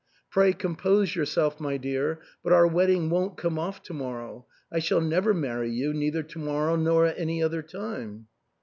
Pray compose yourself, my dear, but our wedding won't come off to morrow ; I shall never marry you, neither to morrow, nor at any other time."